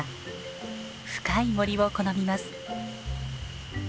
深い森を好みます。